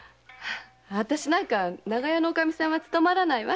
あたしなんか長屋のおかみさんは務まらないわ。